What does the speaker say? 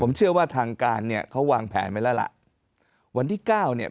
ผมเชื่อว่าทางการเนี่ยเขาวางแผนไว้แล้วล่ะวันที่เก้าเนี่ย